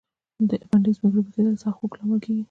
د اپنډکس میکروبي کېدل سخت خوږ لامل کېږي.